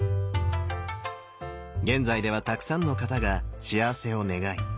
現在ではたくさんの方が幸せを願い